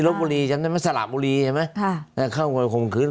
อิรบบุรีจำได้ไหมสระบุรีเห็นไหมค่ะแต่เข้าไปคมคืน